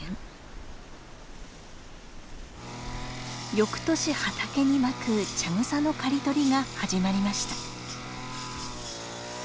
翌年畑にまく茶草の刈り取りが始まりました。